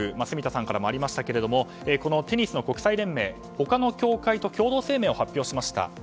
住田さんからもありましたがこのテニスの国際連盟他の協会と共同声明を発表しました。